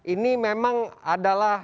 ini memang adalah